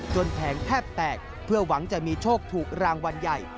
แผงแทบแตกเพื่อหวังจะมีโชคถูกรางวัลใหญ่